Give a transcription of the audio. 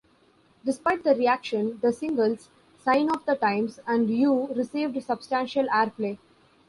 Despite the reaction, the singles "Sign of the Times" and "You" received substantial airplay.